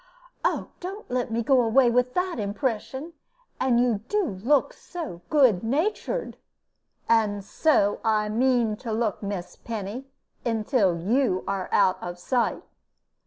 Oh, don't let me go away with that impression. And you do look so good natured!" "And so I mean to look, Miss Penny, until you are out of sight."